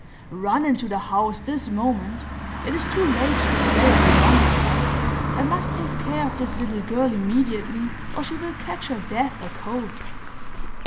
"Run into the house, this moment! It is too late to play any longer, now. I must take care of this little girl immediately, or she will catch her death a cold!"